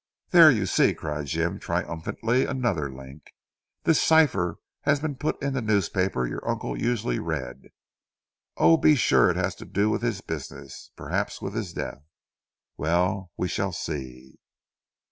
"There you see!" cried Jim triumphantly, "another link. This cipher has been put in the newspaper your uncle usually read. Oh, be sure it has to do with his business perhaps with his death. Well, we shall see."